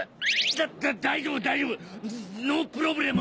だっ大丈夫大丈夫ノープロブレム！